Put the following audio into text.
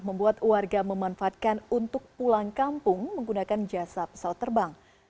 membuat warga memanfaatkan untuk pulang kampung menggunakan jasa pesawat terbang